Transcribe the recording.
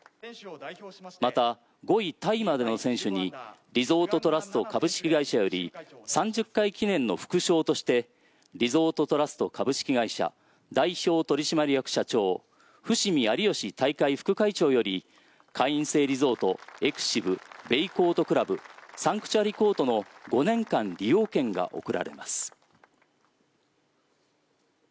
また、５位タイまでの選手にリゾートトラスト株式会社より３０回記念の副賞としてリゾートトラスト株式会社代表取締役社長伏見有貴大会副会長より会員制リゾートエクシブ、ベイコート倶楽部サンクチュアリコートの５年間利用権が贈られます。